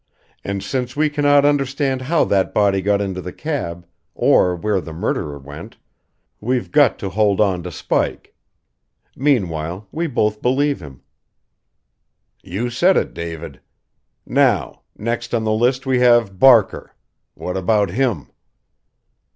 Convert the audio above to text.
And since we cannot understand how that body got into the cab or where the murderer went we've got to hold on to Spike. Meanwhile, we both believe him." "You said it, David. Now, next on the list we have Barker. What about him?"